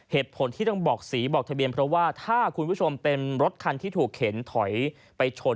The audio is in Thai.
เหตุผลที่ต้องบอกสีบอกทะเบียนเพราะว่าถ้าคุณผู้ชมเป็นรถคันที่ถูกเข็นถอยไปชน